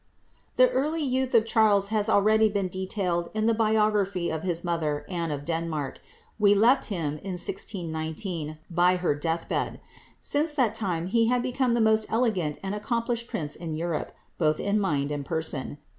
The early youth of Charles has already been detailed in the biography of his mother, Anne of Denmark : we left him, in 1619, by her death bed. Since that time he had become the most elegant and accomplished prince in Europe, both in mind and person.